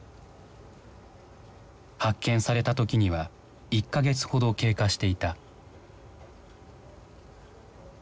発見された時には１か月ほど経過していた。